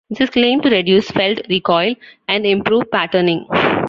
This is claimed to reduce felt recoil and improve patterning.